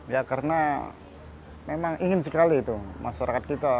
ya karena memang ingin sekali itu masyarakat kita